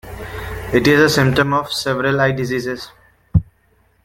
It is a symptom of several eye diseases.